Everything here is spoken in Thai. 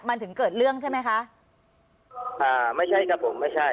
มันถึงเกิดเรื่องใช่ไหมคะอ่าไม่ใช่ครับผมไม่ใช่